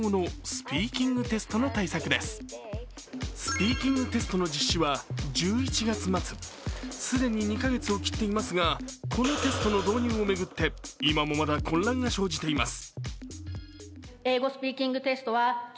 スピーキングテストの実施は１１月末、既に２か月を切っていますが、このテストの導入を巡って今もまだ混乱が生じています。